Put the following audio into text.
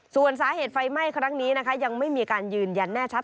ส่วนสาเหตุไฟไหม้ครั้งนี้นะคะยังไม่มีการยืนยันแน่ชัด